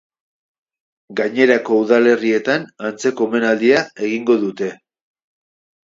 Gainerako udalerrietan antzeko omenaldia egingo dute.